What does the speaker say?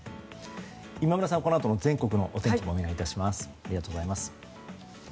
今村さん、このあとの全国のお天気もお願いします。